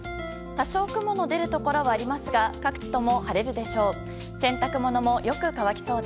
多少、雲の出るところはありますが各地とも晴れるでしょう。